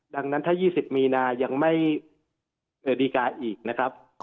ดังนั้นถ้า๒๐มีนายังไม่ดีการ์อีกนะครับ